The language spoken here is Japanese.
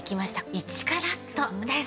１カラットです。